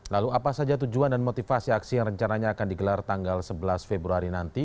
lalu apa saja tujuan dan motivasi aksi yang rencananya akan digelar tanggal sebelas februari nanti